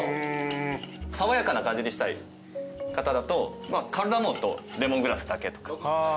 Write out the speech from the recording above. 爽やかな感じにしたい方だとカルダモンとレモングラスだけとか。